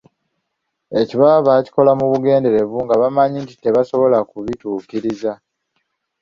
Ekyo baba baakikola mu bugenderevu nga bamanyi nti tebasobola kubituukiriza.